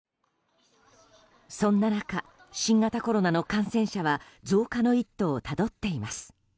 そんな中、新型コロナの感染者は増加の一途をたどっています。